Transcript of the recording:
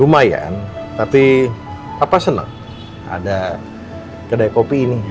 lumayan tapi apa senang ada kedai kopi ini